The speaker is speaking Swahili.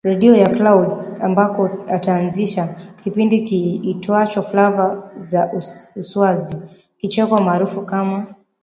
radio ya Clouds ambako ataanzisha kipindi kiitwacho Flava za Uswazi Kicheko maarufu kama